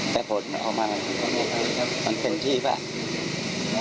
แต่ผลออกมามันเป็นที่แบบ